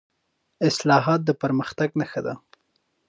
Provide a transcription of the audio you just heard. اصلاحات د پرمختګ نښه ده